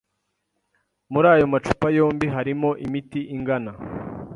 Muri ayo macupa yombi harimo imiti ingana.